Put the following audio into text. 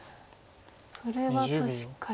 それは確かに。